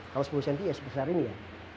kalau sepuluh cm ya sebesar ini ya